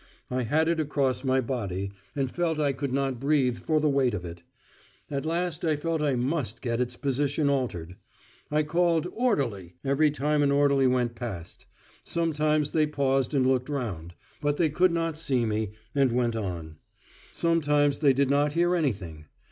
I had it across my body, and felt I could not breathe for the weight of it. At last I felt I must get its position altered. I called "orderly" every time an orderly went past: sometimes they paused and looked round; but they could not see me, and went on. Sometimes they did not hear anything.